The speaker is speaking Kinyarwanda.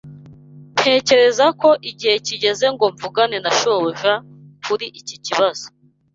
Ntekereza ko igihe kigeze ngo mvugane na shobuja kuri iki kibazo.